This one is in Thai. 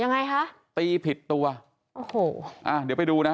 ยังไงคะตีผิดตัวโอ้โหอ่าเดี๋ยวไปดูนะ